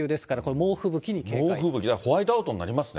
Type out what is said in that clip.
猛吹雪、ホワイトアウトになりますね。